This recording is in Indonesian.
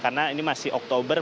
karena ini masih oktober